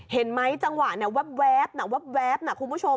เห็นไหมจังหวะเนี่ยแว๊บน่ะแว๊บนะคุณผู้ชม